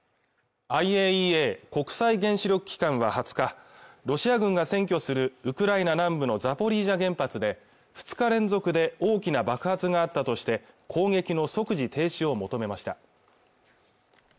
ＩＡＥＡ＝国際原子力機関は２０日ロシア軍が占拠するウクライナ南部のザポリージャ原発で２日連続で大きな爆発があったとして攻撃の即時停止を求めました